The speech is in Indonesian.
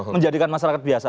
menjadikan masyarakat biasa